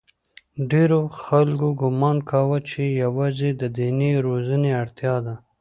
ډېرو خلکو ګومان کاوه چې یوازې د دیني روزنې اړتیا ده.